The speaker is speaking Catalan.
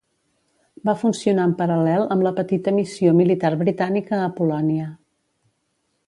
Va funcionar en paral·lel amb la petita missió militar britànica a Polònia.